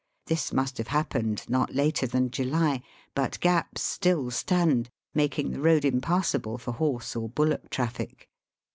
This must have happened not later than July. But gaps still stand, making the road impassable for horse or bullock traffic.